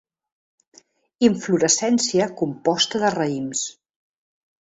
Inflorescència composta de raïms.